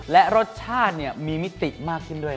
และรสชาติมีมิติมากขึ้นด้วย